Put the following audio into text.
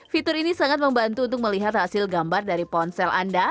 fitur ini sangat membantu untuk melihat hasil gambar dari ponsel anda